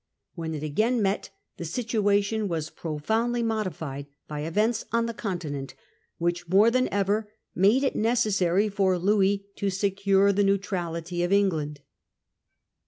When it again met the situation was profoundly modified by events on the Continent, which more than ever made it necessary for Louis to secure the neutrality of England.